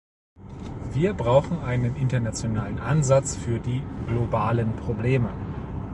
Wir brauchen einen internationalen Ansatz für die globalen Probleme.